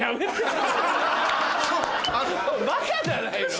バカじゃないの？